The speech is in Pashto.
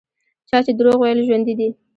چا چې دروغ ویل ژوندي دي.